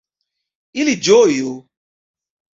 Ili ĝoju!